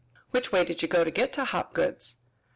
"Which way did you go to get to Hopgood's?"